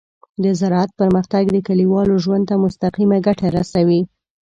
د زراعت پرمختګ د کليوالو ژوند ته مستقیمه ګټه رسوي.